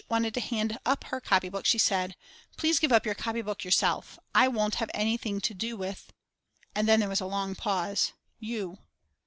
wanted to hand up her copybook she said: Please give up your copybook yourself; I won't have anything to do with (then there was a long pause) you.